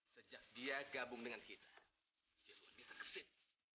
sejak dia gabung dengan kita dia luar biasa kesit